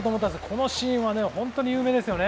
このシーンは有名です。